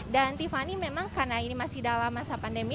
dan tiffany memang karena ini masih dalam masa pandemi